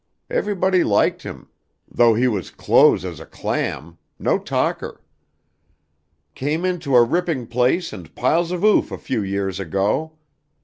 Everybody liked him, though he was close as a clam no talker. Came into a ripping place and piles of oof a few years ago.